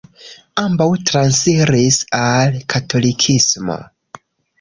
Ambaŭ transiris al katolikismo.